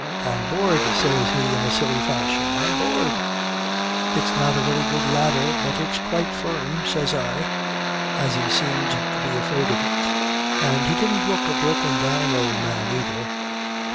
"On board!" says he in a silly fashion. "On board!" "It's not a very good ladder, but it's quite firm," says I, as he seemed to be afraid of it. And he didn't look a broken down old man, either.